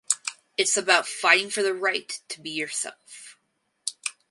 It’s about fighting for the right to be yourself.